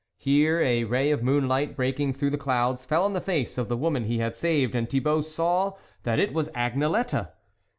Here a ray of moonlight, breaking through the clouds, fell on the face of the woman he had saved, and Thibault saw that it was Agnelette.